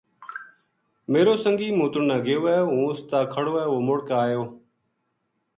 میرو سنگی موتن نا گیو ہے ہوں اس تا کھڑو ہے وہ مڑ کے آیو